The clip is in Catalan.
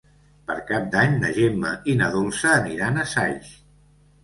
Per Cap d'Any na Gemma i na Dolça aniran a Saix.